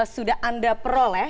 sudah anda peroleh